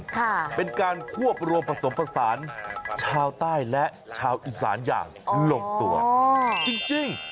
ค่ะเป็นการควบรวมผสมผสานชาวใต้และชาวอีสานอย่างลงตัวอ๋อจริงจริง